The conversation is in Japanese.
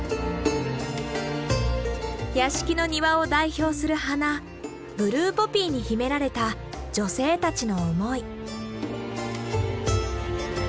屋敷の庭を代表する花ブルーポピーに秘められた女性たちの思い。